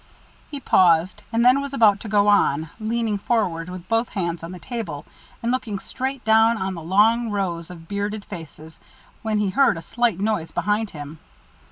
He paused, and then was about to go on, leaning forward with both hands on the table, and looking straight down on the long rows of bearded faces, when he heard a slight noise behind him.